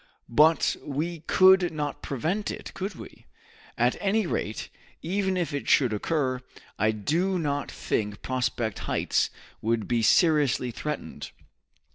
But we could not prevent it, could we? At any rate, even if it should occur, I do not think Prospect Heights would be seriously threatened.